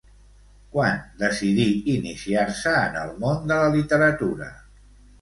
Quan decidí iniciar-se en el món de la literatura?